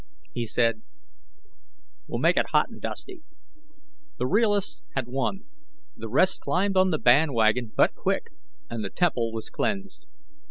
He said, "We'll make it hot and dusty." The realists had won; the rest climbed on the bandwagon but quick; and the temple was cleansed.